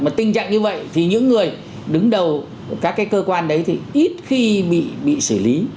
mà tình trạng như vậy thì những người đứng đầu các cái cơ quan đấy thì ít khi bị xử lý